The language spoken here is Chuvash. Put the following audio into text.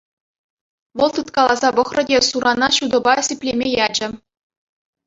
Вӑл тыткаласа пӑхрӗ те сурана ҫутӑпа сиплеме ячӗ.